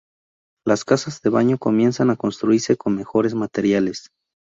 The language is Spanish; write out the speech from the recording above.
Las casas de baño comienzan a construirse con mejores materiales.